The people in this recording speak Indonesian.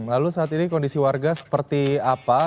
lalu saat ini kondisi warga seperti apa